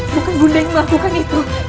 bukan bunda yang melakukan itu